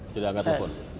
tidak angkat telepon